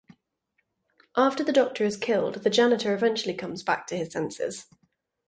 After the doctor is killed, the janitor eventually comes back to his senses.